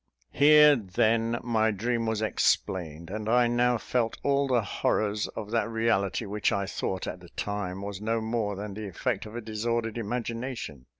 Here, then, my dream was explained; and I now felt all the horrors of that reality which I thought at the time was no more than the effect of a disordered imagination.